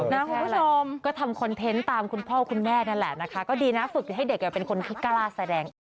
คุณผู้ชมก็ทำคอนเทนต์ตามคุณพ่อคุณแม่นั่นแหละนะคะก็ดีนะฝึกให้เด็กเป็นคนที่กล้าแสดงออก